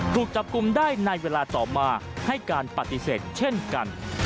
ถูกจับกลุ่มได้ในเวลาต่อมาให้การปฏิเสธเช่นกัน